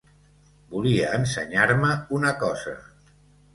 Volia ensenyar-me una cosa.